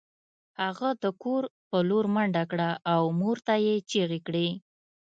هغه د کور په لور منډه کړه او مور ته یې چیغې کړې